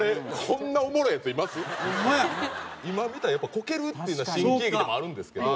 今見たらこけるっていうのは新喜劇でもあるんですけど。